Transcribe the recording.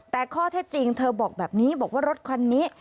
แต่ข้อเท็จจริงเธอบอกแบบนี้บอกว่ารถคันนี้